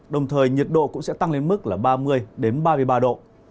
đồng thời nhiệt độ cũng sẽ tăng lên mức là ba mươi ba mươi ba độ